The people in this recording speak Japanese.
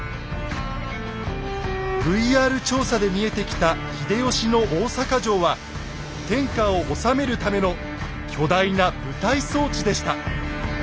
ＶＲ調査で見えてきた秀吉の大坂城は天下を治めるための巨大な舞台装置でした。